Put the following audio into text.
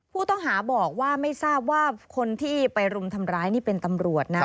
ผู้ต้องหาบอกว่าไม่ทราบว่าคนที่ไปรุมทำร้ายนี่เป็นตำรวจนะ